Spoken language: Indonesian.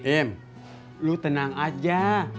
im lu tenang aja